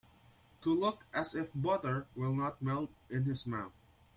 To look as if butter will not melt in his mouth.